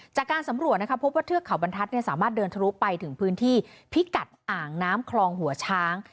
จากการสำรวจพบว่าเทือกเขาบรรทัศน์สามารถเดินทะลุไปถึงพื้นที่พิกัดอ่างน้ำคลองหัวช้าง